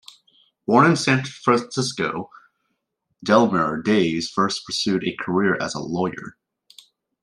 Born in San Francisco, Delmer Daves first pursued a career as a lawyer.